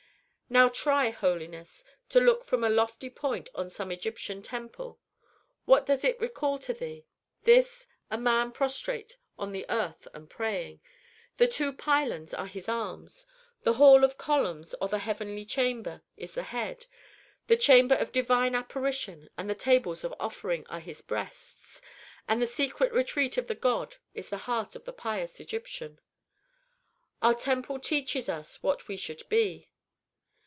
"Now try, holiness, to look from a lofty point on some Egyptian temple. What does it recall to thee? This a man prostrate on the earth and praying. The two pylons are his arms. The hall 'of columns,' or 'the heavenly chamber,' is his head, the chamber of 'divine apparition' and 'the tables of offering' are his breasts, and the secret retreat of the god is the heart of the pious Egyptian. Our temple teaches us what we should be.